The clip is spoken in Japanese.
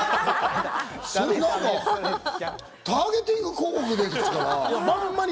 それ、ターゲティング広告ですから。